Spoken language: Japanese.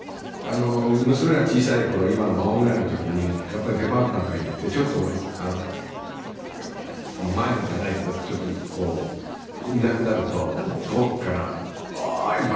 娘が小さい頃今の孫ぐらいの時にやっぱりデパートなんかに行ってちょっと迷子じゃないけどちょっとこういなくなると遠くから「おーい！獏！」